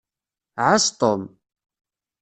Ɛass Tom.